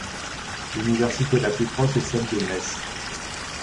L'université la plus proche est celle de Metz.